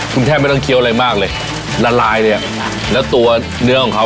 คุณแทบไม่ต้องเคี้ยวอะไรมากเลยละลายเลยอ่ะแล้วตัวเนื้อของเขา